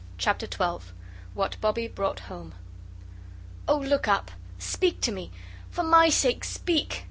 Chapter XII. What Bobbie brought home. "Oh, look up! Speak to me! For MY sake, speak!"